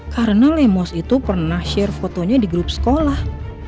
karena lemus itu pernah share fotonya di grup sekolah